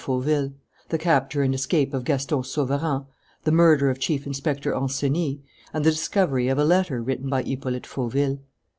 Fauville, the capture and escape of Gaston Sauverand, the murder of Chief Inspector Ancenis, and the discovery of a letter written by Hippolyte Fauville.